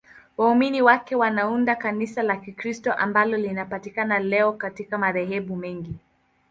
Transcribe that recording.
Waumini wake wanaunda Kanisa la Kikristo ambalo linapatikana leo katika madhehebu mengi.